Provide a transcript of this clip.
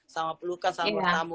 sama pelukan sama tamu